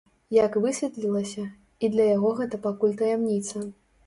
Як высветлілася, і для яго гэта пакуль таямніца.